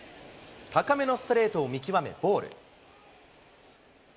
高めのストレートを見極め、ボール。